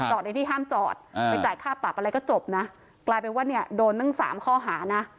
ในที่ห้ามจอดไปจ่ายค่าปรับอะไรก็จบนะกลายเป็นว่าเนี่ยโดนตั้งสามข้อหานะ